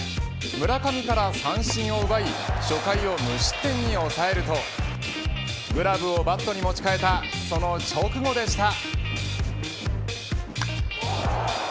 村上から三振を奪い初回を無失点に抑えるとグラブをバットに持ち替えたその直後でした。